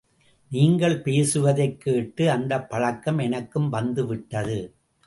நீங்கள் பேசுவதைக் கேட்டு அந்தப் பழக்கம் எனக்கும் வந்துவிட்டது.